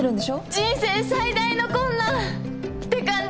人生最大の困難！って感じ。